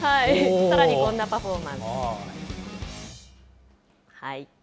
さらにこんなパフォーマンス。